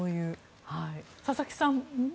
佐々木さんもね。